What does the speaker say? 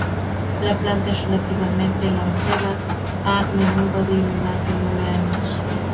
La planta es relativamente longeva, a menudo vive más de nueve años.